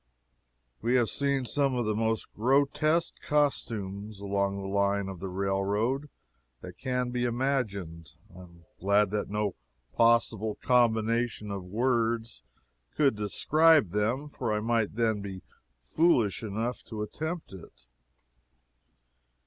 We have seen some of the most grotesque costumes, along the line of the railroad, that can be imagined. I am glad that no possible combination of words could describe them, for I might then be foolish enough to attempt it.